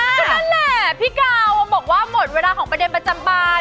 นั่นแหละพี่กาวบอกว่าหมดเวลาของประเด็นประจำบาน